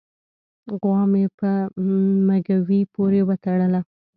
غوا مې په مږوي پورې و تړله